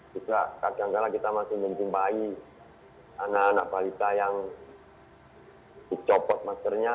juga kadang kadang kita masih mencumpai anak anak balita yang dicopot maskernya